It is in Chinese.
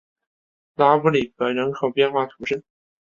拉布里格人口变化图示